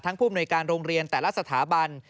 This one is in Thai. ทั้งผู้บริการโรงเรียนแต่ละสถาบัน